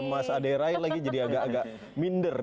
mas ade rail lagi jadi agak agak minder